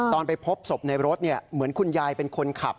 ไปพบศพในรถเหมือนคุณยายเป็นคนขับ